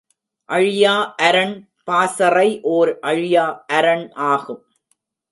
அழியா அரண் பாசறை ஓர் அழியா அரண் ஆகும்.